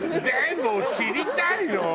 全部を知りたいよ。